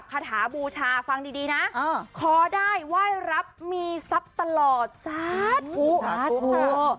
ภูชาฟังดีนะขอได้ไหว้รับมีทรัพย์ตลอดซาดภู